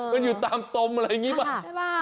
มันอยู่ตามตมอะไรอย่างนี้บ้าง